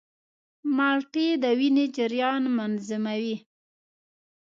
مالټې د وینې جریان منظموي.